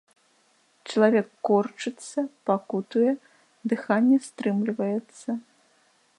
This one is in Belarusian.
Чалавек корчыцца, пакутуе, дыханне стрымліваецца.